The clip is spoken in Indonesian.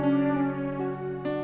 tidak ada apa apa